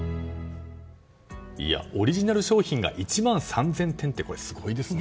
オリジナル商品が１万３０００点ってこれ、すごいですね。